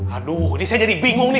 aduh ini saya jadi bingung nih